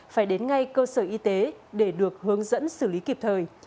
phải đến ngay cơ sở y tế để được hướng dẫn xử lý kịp thời